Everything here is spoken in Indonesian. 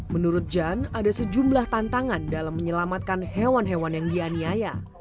menurut jan ada sejumlah tantangan dalam menyelamatkan hewan hewan yang dianiaya